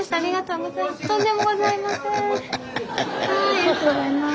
ありがとうございます。